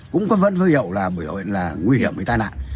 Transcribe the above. cũng vẫn có hiệu là nguy hiểm hay tai nạn